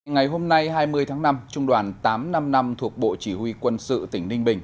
ngày hôm nay hai mươi tháng năm trung đoàn tám trăm năm mươi năm thuộc bộ chỉ huy quân sự tỉnh ninh bình